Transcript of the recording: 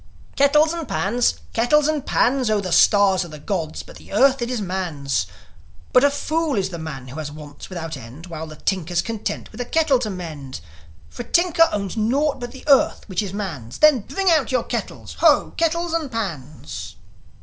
"Kettles and pans! Kettles and pans! Oh, the stars are the gods'; but the earth, it is man's. But a fool is the man who has wants without end, While the tinker's content with a kettle to mend. For a tinker owns naught but the earth, which is man's. Then, bring out your kettles! Ho, kettles and pans!"